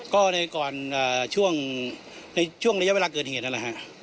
ก็ในก่อนช่วงในช่วงระยะเวลาเกิดเหตุนั่นแหละฮะ